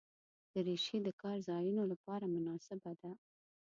دریشي د کار ځایونو لپاره مناسبه ده.